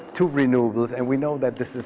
untuk mengembangkan kualitas dan mengembangkan kualitas